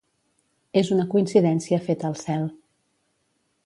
És una coincidència feta al cel.